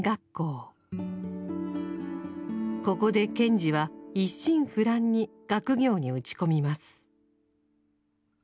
ここで賢治は一心不乱に学業に打ち込みます。